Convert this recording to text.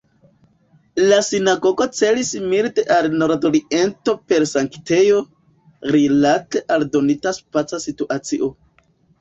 La sinagogo celis milde al nordoriento per sanktejo, rilate al donita spaca situacio.